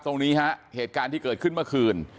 ตรงนี้ฮะเหตุการณ์ที่เกิดขึ้นเมื่อคืน